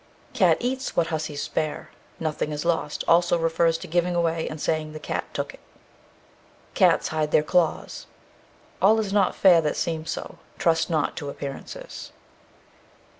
Cats eat what hussies spare. Nothing is lost. Also refers to giving away, and saying "the cat took it." Cats hide their claws. All is not fair that seems so. Trust not to appearances.